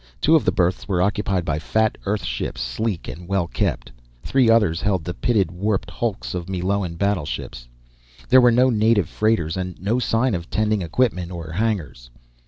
Two of the berths were occupied by fat Earth ships, sleek and well kept. Three others held the pitted, warped hulks of Meloan battleships. There were no native freighters, and no sign of tending equipment or hangars.